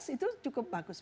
itu cukup bagus